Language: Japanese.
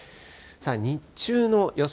日中の予想